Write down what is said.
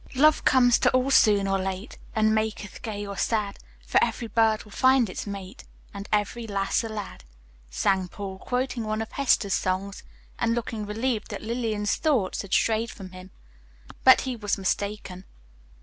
"Love comes to all soon or late, And maketh gay or sad; For every bird will find its mate, And every lass a lad," sang Paul, quoting one of Hester's songs, and looking relieved that Lillian's thoughts had strayed from him. But he was mistaken.